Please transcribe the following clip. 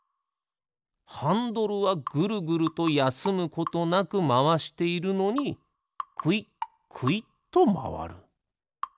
ハンドルはぐるぐるとやすむことなくまわしているのにくいっくいっとまわる。